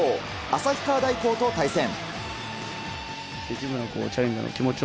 旭川大高と対戦。